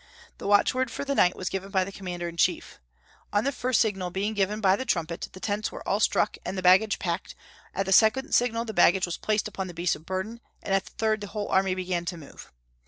The watchword for the night was given by the commander in chief. "On the first signal being given by the trumpet, the tents were all struck and the baggage packed; at the second signal, the baggage was placed upon the beasts of burden; and at the third, the whole army began to move.